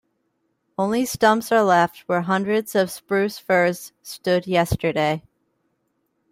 Only stumps are left where hundreds of spruce firs stood yesterday.